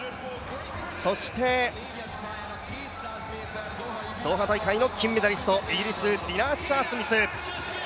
そしてドーハ大会の金メダリスト、イギリス、ディナ・アッシャー・スミス。